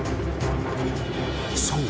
［そう。